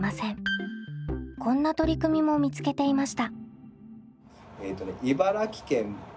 こんな取り組みも見つけていました。